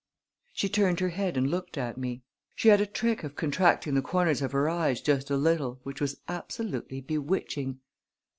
She turned her head and looked at me. She had a trick of contracting the corners of her eyes just a little, which was absolutely bewitching.